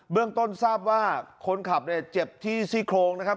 เบื้องต้นทราบคนขับเจ็บที่ซีโครงครับ